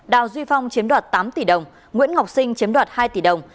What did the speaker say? đào duy phong chiếm đoạt tám tỷ đồng nguyễn ngọc sinh chiếm đoạt hai tỷ đồng